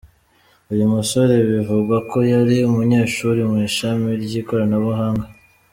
Uyu musore bivugwa ko yari umunyeshuri mu ishami ry’ikoranabuhanga.